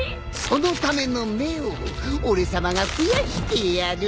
そのための目を俺さまが増やしてやる。